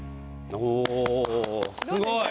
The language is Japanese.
おおすごい！